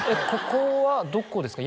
ここはどこですか？